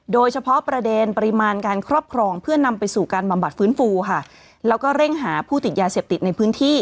โดยเฉพาะประเด็นปริมาณการครอบครองเพื่อนำไปสู่การบำบัดฟื้นฟูค่ะแล้วก็เร่งหาผู้ติดยาเสพติดในพื้นที่